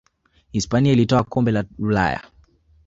hispania ilitwaa kombe la ulaya